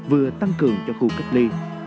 vừa tăng cường cho khu cách ly